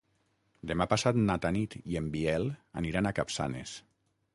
Demà passat na Tanit i en Biel aniran a Capçanes.